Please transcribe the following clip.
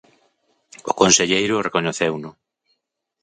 O conselleiro recoñeceuno.